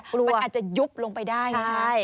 มันอาจจะยุบลงไปได้ไง